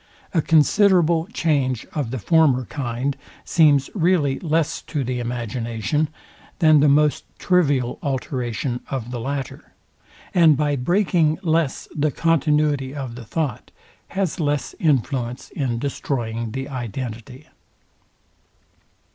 A considerable change of the former kind seems really less to the imagination, than the most trivial alteration of the latter; and by breaking less the continuity of the thought, has less influence in destroying the identity.